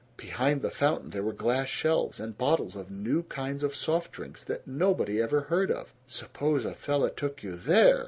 Behind the fountain there were glass shelves, and bottles of new kinds of soft drinks, that nobody ever heard of. Suppose a fella took you THERE!